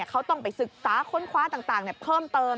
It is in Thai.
เขาต้องไปศึกษาค้นคว้าต่างเพิ่มเติม